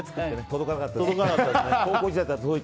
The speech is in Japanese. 届かなかったです。